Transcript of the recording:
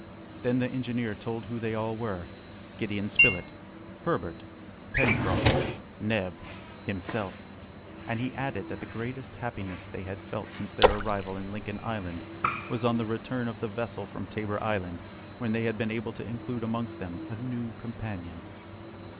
Then the engineer told who they all were, Gideon Spilett, Herbert, Pencroft, Neb, himself; and he added, that the greatest happiness they had felt since their arrival in Lincoln Island was on the return of the vessel from Tabor Island, when they had been able to include amongst them a new companion.